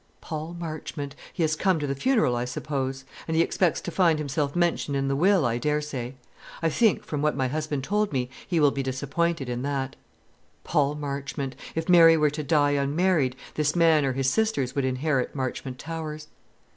"Paul Marchmont! He has come to the funeral, I suppose. And he expects to find himself mentioned in the will, I dare say. I think, from what my husband told me, he will be disappointed in that. Paul Marchmont! If Mary were to die unmarried, this man or his sisters would inherit Marchmont Towers."